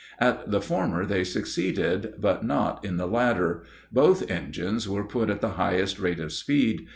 In the former they succeeded, but not in the latter. Both engines were put at the highest rate of speed.